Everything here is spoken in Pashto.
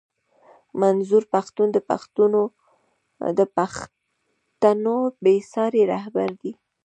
منظور پښتون د پښتنو بې ساری رهبر دی